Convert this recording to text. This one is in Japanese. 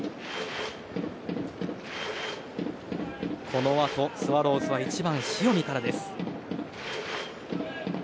このあとスワローズは１番、塩見からです。